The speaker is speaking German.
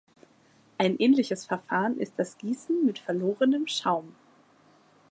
Ein ähnliches Verfahren ist das Gießen mit verlorenem Schaum.